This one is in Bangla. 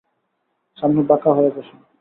সামনে বাঁকা হয়ে বসুন!